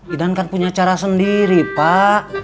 idan kan punya cara sendiri pak